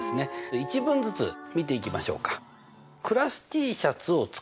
１文ずつ見ていきましょうか。